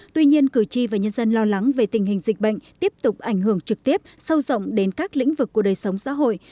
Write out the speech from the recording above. tuy nhiên cử tri và nhân dân lo lắng về tình hình dịch bệnh tiếp tục ảnh hưởng trực tiếp sâu rộng đến các lĩnh vực của đời sống xã hội